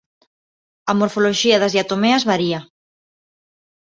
A morfoloxía das diatomeas varía.